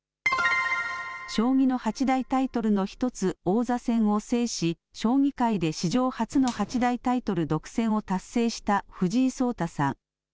将棋の八大タイトルの１つ王座戦を制し将棋界で史上初の八大タイトル独占を達成した藤井聡太さん。